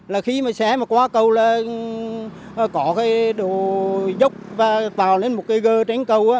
là khi mà xe mà qua cầu là có cái đồ dốc và vào lên một cái gơ tránh cầu á